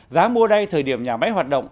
giá mua đay thời điểm nhà máy hoạt động